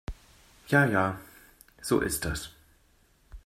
Ja ja, so ist das.